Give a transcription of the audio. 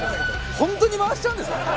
本当に回しちゃうんですからね。